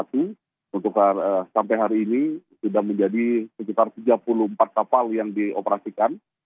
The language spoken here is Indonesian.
untuk sampai hari ini sudah menjadi sekitar tiga puluh empat kapal yang dioperasikan